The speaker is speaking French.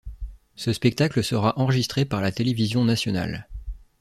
Ce spectacle sera enregistré par la télévision nationale.